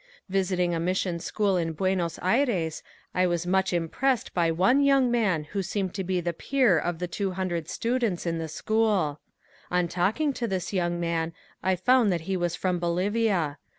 Visiting a mission school in Buenos Aires I was much impressed by one young man who seemed to be the peer of the two hundred students in the school. On talking to this young man I found that he was from Bolivia.